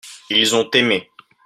ils ont aimé.